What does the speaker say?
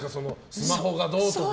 スマホがどうとか。